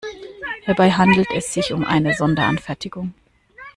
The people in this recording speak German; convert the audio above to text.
Hierbei handelt es sich um eine Sonderanfertigung.